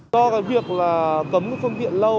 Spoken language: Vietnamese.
do việc cấm phương tiện lâu